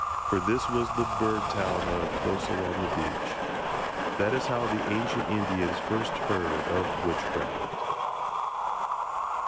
For this was the bird town of Close along the beach. That is how the ancient Indians first heard of witchcraft.